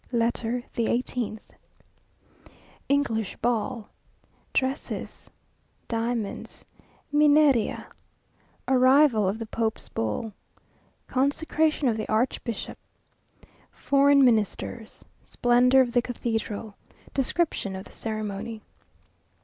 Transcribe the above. LETTER THE EIGHTEENTH English Ball Dresses Diamonds Mineria Arrival of the Pope's Bull Consecration of the Archbishop Foreign Ministers Splendour of the Cathedral Description of the Ceremony.